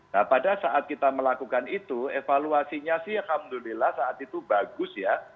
nah pada saat kita melakukan itu evaluasinya sih alhamdulillah saat itu bagus ya